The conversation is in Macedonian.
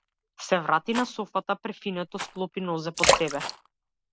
Се врати на софата, префинето склопи нозе под себе.